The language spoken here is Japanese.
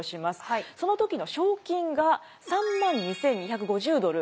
その時の賞金が３万２，２５０ドル。